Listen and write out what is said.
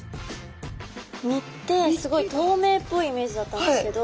身ってすごいとうめいっぽいイメージだったんですけど。